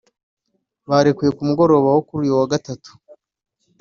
barekuwe ku mugoroba wo kuri uyu wa Gatatu